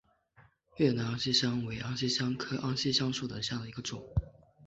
越南安息香为安息香科安息香属下的一个种。